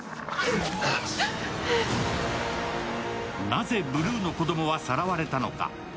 なぜブルーの子供はさらわれたのか。